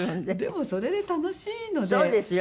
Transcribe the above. でもそれで楽しいので。